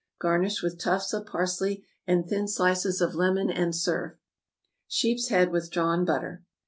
Garnish with tufts of parsley and thin slices of lemon, and serve. =Sheeps head with Drawn Butter.